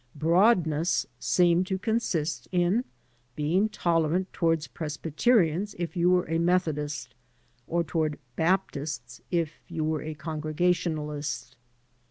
" Broad ness" seemed to consist in being tolerant toward Presbyterians if you were a Methodist, or toward Baptists if you were a Congregationalist.